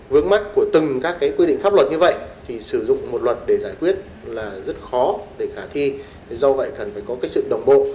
vướng mắt của từng các quy định pháp luật như vậy thì sử dụng một luật để giải quyết là rất khó để khả thi do vậy cần phải có sự đồng bộ